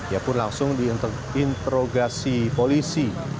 ia pun langsung diinterogasi polisi